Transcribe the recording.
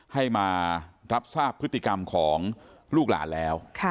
ให้มารับทราบพฤติกรรมของลูกหลานแล้ว